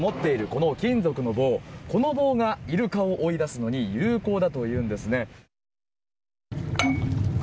この棒が、イルカを追い出すのに有効だというんですね。